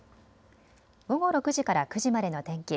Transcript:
午後６時から９時までの天気。